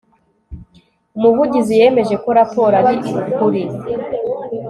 umuvugizi yemeje ko raporo ari ukuri